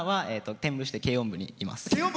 転部して軽音部にいます。